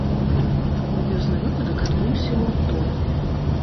Кур'ёзны выпадак адбыўся ў аўторак.